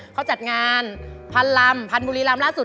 เขาจัดงานพันลำพันบุรีลำล่าสุด